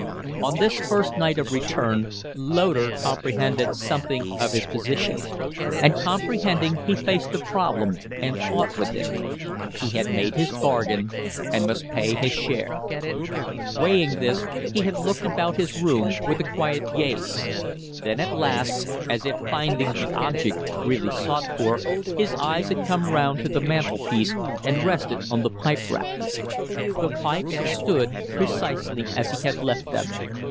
On this first night of return Loder comprehended something of his position; and, comprehending, he faced the problem and fought with it. He had made his bargain and must pay his share. Weighing this, he had looked about his room with a quiet gaze. Then at last, as if finding the object really sought for, his eyes had come round to the mantel piece and rested on the pipe rack. The pipes stood precisely as he had left them.